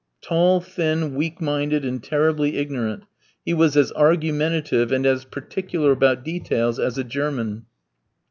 Tall, thin, weak minded, and terribly ignorant, he was as argumentative and as particular about details as a German.